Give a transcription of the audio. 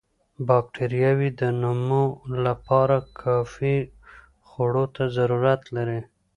باکټریاوې د نمو لپاره کافي خوړو ته ضرورت لري.